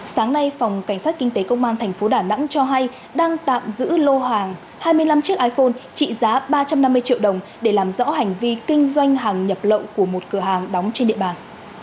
sáng nay phòng cảnh sát kinh tế công an tp đà nẵng cho hay đang tạm giữ lô hàng hai mươi năm chiếc iphone trị giá ba trăm năm mươi triệu đồng để làm rõ hành vi kinh doanh hàng nhập lậu của một cửa hàng đóng trên địa bàn